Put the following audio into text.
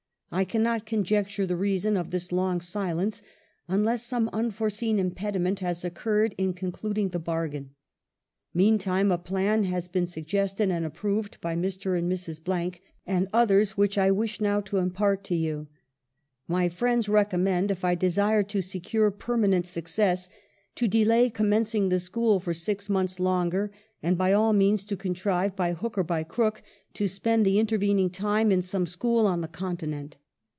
I cannot conjecture the rea son of this long silence, unless some unforeseen impediment has occurred in concluding the bar gain. Meantime a plan has been suggested and approved by Mr. and Mrs. and others which I wish now to impart to you. My friends recom mend, if I desire to secure permanent success, to delay commencing the school for six months longer, and by all means to contrive, by hook or by crook, to spend the intervening time in some school on the Continent.